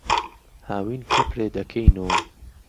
هاوین کهپرێ دهکهینۆ